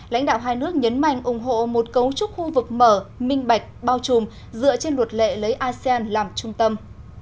lãnh đạo hai nước nhấn mạnh ủng hộ một cấu trúc khu vực mở minh bạch bao trùm dựa trên luật lệ lấy asean làm trung tâm